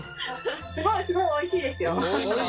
すごいすごいおいしいですよ。